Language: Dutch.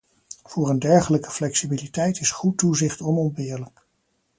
Voor een dergelijke flexibiliteit is goed toezicht onontbeerlijk.